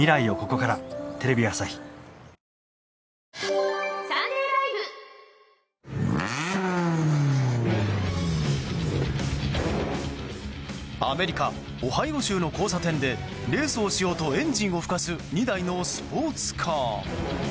公道にもかかわらずアメリカ・オハイオ州の交差点でレースをしようとエンジンをふかす２台のスポーツカー。